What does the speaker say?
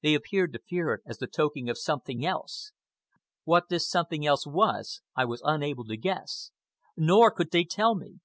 They appeared to fear it as the token of something else. What this something else was I was unable to guess. Nor could they tell me.